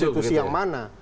konstitusi yang mana